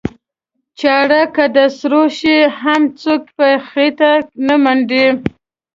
چاړه که د سرو شي هم څوک یې په خېټه نه منډي.